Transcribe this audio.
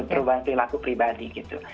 perubahan perilaku pribadi gitu